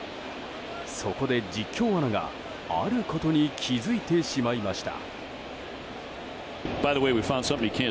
そこで実況アナが、あることに気づいてしまいました。